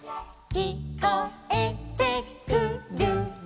「きこえてくるよ」